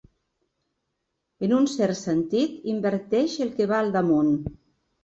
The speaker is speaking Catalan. En un cert sentit, inverteix el que va al damunt.